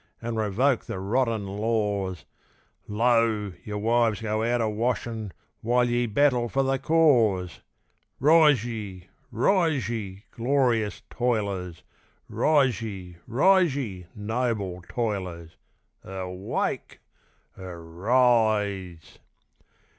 and revoke the rotten laws! Lo! your wives go out a washing while ye battle for the caws! Rise ye! rise ye! glorious toilers! Rise ye! rise ye! noble toilers! Erwake! er rise!